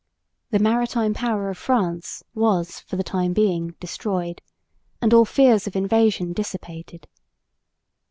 The maritime power of France was for the time being destroyed, and all fears of invasion dissipated.